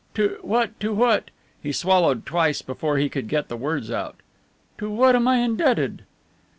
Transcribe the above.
To what to what," he swallowed twice before he could get the words out, "to what am I indebted?"